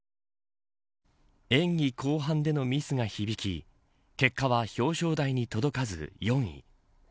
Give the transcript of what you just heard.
演技後半でのミスが響き結果は表彰台に届かず４位。